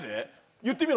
言ってみろ。